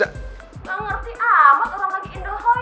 gak ngerti amat orang lagi inderhoi